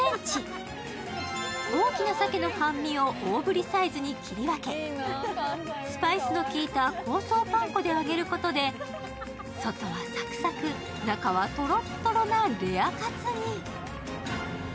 大きな鮭の半身を大ぶりサイズに切り分け、スパイスのきいた香草パン粉で揚げることで外はサクサク、中はとろっとろなレアカツに。